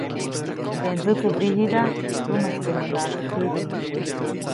Teʼ ndsätsäbrigida tunaskäʼmänaʼajk jäbya.